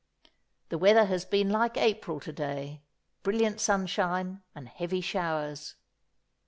The weather has been like April to day, brilliant sunshine and heavy showers.